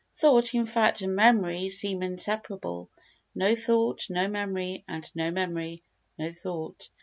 Thought, in fact, and memory seem inseparable; no thought, no memory; and no memory, no thought.